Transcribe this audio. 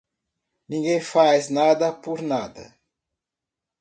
Ninguém faz nada por nada.